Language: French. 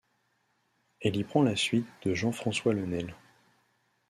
Elle y prend la suite de Jean-François Le Nail.